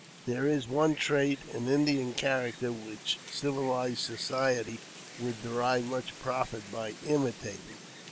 There is one trait in Indian character which civilized society would derive much profit by imitating.